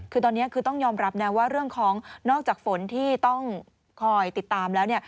คือตอนนี้คือต้องยอมรับนะว่าเรื่องของนอกจากฝนที่ต้องคอยติดตามแล้วเนี่ย